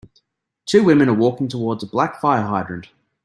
Two women are walking towards a black fire hydrant.